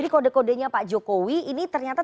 kode kodenya pak jokowi ini ternyata